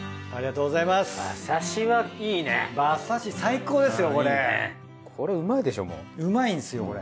うまいんすよこれ。